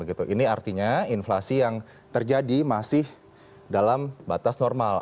ini artinya inflasi yang terjadi masih dalam batas normal